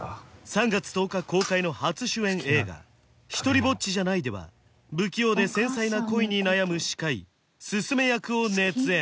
３月１０日公開の初主演映画「ひとりぼっちじゃない」では不器用で繊細な恋に悩む歯科医ススメ役を熱演